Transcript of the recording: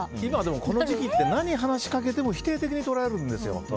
この時期って何を話しかけても否定的に捉えるんですよ。